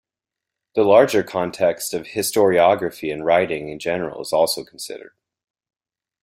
The larger context of historiography and writing in general is also considered.